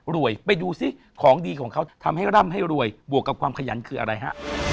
รวยไปดูซิของดีของเขาทำให้ร่ำให้รวยบวกกับความขยันคืออะไรฮะ